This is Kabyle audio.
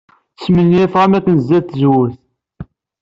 Smenyafeɣ amkan sdat tzewwut.